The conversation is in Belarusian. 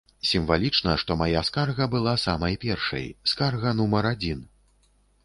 Сімвалічна, што мая скарга была самай першай, скарга нумар адзін!